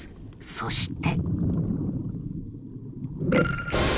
そして。